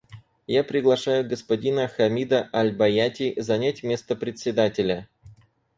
Я приглашаю господина Хамида аль-Баяти занять место Председателя.